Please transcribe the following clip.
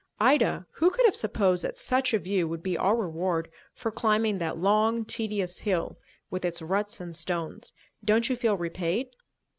"Ida, who could have supposed that such a view would be our reward for climbing that long, tedious hill with its ruts and stones? Don't you feel repaid?"